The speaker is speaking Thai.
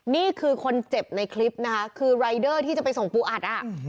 นี่คือคนเจ็บในคลิปนะคะคือรายเดอร์ที่จะไปส่งปูอัดอ่ะ